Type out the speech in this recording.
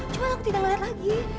cuman aku tidak ngeliat lagi